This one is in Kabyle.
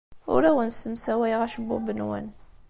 Ur awen-ssemsawayeɣ acebbub-nwen.